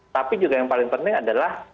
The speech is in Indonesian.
tapi juga yang paling penting adalah